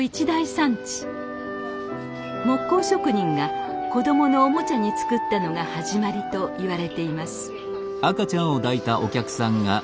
木工職人が子供のおもちゃに作ったのが始まりといわれています。